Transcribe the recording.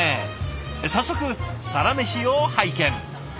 早速サラメシを拝見。